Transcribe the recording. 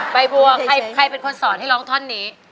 ใบบัวใครเป็นคนสอนให้ร้องท่อนนี้